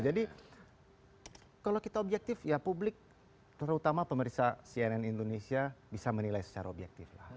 jadi kalau kita objektif ya publik terutama pemerintah cnn indonesia bisa menilai secara objektif